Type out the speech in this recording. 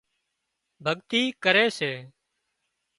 ڀڳتي ڪري سي